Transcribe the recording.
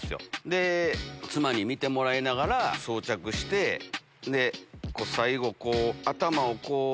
で妻に見てもらいながら装着して最後。